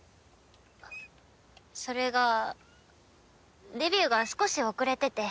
それがデビューが少し遅れてて。